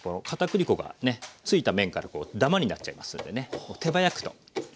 かたくり粉がねついた面からダマになっちゃいますんでね手早くと。